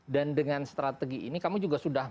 dan dengan strategi ini kamu juga sudah